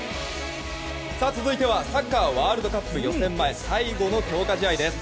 続いてはサッカーワールドカップ予選前最後の強化試合です。